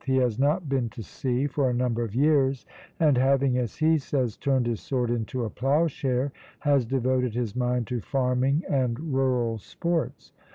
He has not been to sea for a number of years, and having, as he says, turned his sword into a ploughshare, has devoted his mind to farming and rural sports.